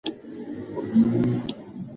د پېښور يونيورسټۍ، پښتو څانګه